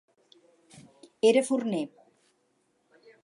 Era forner.